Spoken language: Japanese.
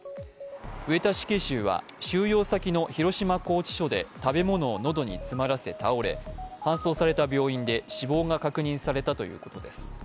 上田死刑囚は収容先の広島拘置所で食べ物を喉に詰まらせ倒れ搬送された病院で死亡が確認されたということです。